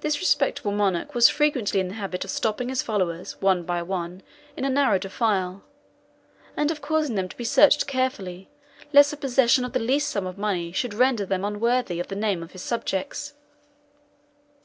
This respectable monarch was frequently in the habit of stopping his followers, one by one, in a narrow defile, and of causing them to be searched carefully, lest the possession of the least sum of money should render them unworthy of the name of his subjects.